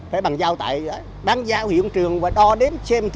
phải bằng giao tại bằng giao hiện trường và đo đếm xem thứ